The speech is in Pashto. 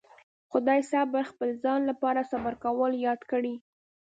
خدای صبر خپل ځان لپاره صبر کول ياد کړي.